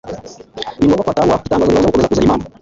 ni ngombwa ko hatangwa itangazo ribabuza gukomeza kuzana impano